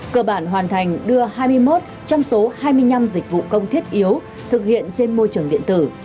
cơ bản hoàn thành đưa hai mươi một trong số hai mươi năm dịch vụ công thiết yếu thực hiện trên môi trường điện tử